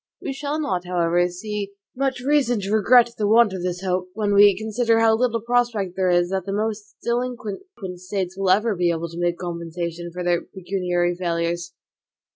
We shall not, however, see much reason to regret the want of this hope, when we consider how little prospect there is, that the most delinquent States will ever be able to make compensation for their pecuniary failures.